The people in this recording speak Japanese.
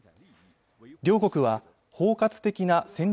両国は包括的な戦略